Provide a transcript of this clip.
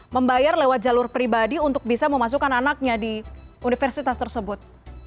membayar lewat jalur pribadi untuk bisa memasukkan anaknya di universitas tersebut